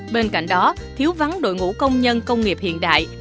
bên cạnh đó thiếu vắng đội ngũ công nhân công nghiệp hiện đại